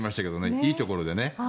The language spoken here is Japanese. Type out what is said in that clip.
いいところでね。